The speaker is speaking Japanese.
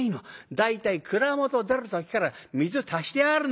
大体蔵元出る時から水足してあるんだ」。